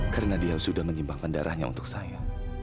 karena dia sudah menyimpan darahnya untuk saya